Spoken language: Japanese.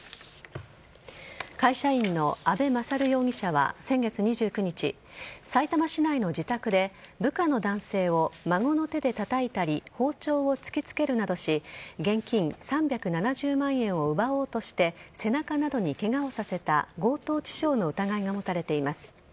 会社員の阿部勝容疑者は先月２９日さいたま市内の自宅で部下の男性を孫の手でたたいたり包丁を突きつけるなどし現金３７０万円を奪おうとして背中などにケガをさせた強盗致傷の疑いが持たれています。